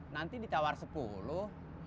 nanti ditawar sepuluh